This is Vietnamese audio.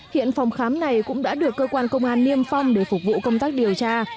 hiện phòng khám này cũng đã được cơ quan công an niêm phong để phục vụ công tác điều tra